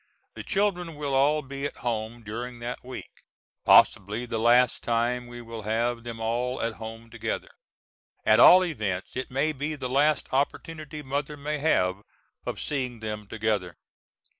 The children will all be at home during that week; possibly the last time we will have them all at home together. At all events it may be the last opportunity mother may have of seeing them together.